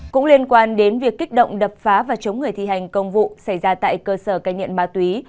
cũng liên quan đến việc kích động đập phá và chống người thi hành công vụ xảy ra tại cơ sở cai nghiện ma túy